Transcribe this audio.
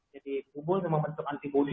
jadi kubol itu membentuk antibody